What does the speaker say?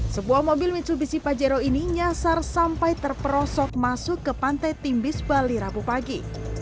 sebuah mobil mitsubishi pajero ini nyasar sampai terperosok masuk ke pantai timbis bali rabu pagi